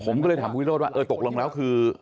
ผมก็เลยถามคุณวิโรธว่าเออตกลงแล้วคือ